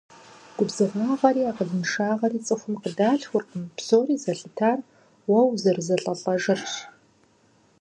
Губзыгъагъри акъылыншагъри цӀыхум къыдалъхуркъым, псори зэлъытар уэ узэрызэлӀэлӀэжырщ.